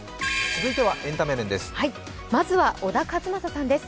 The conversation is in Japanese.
続いてはエンタメ面です。